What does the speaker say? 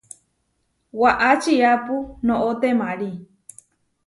Waʼá čiápu noʼó temarí.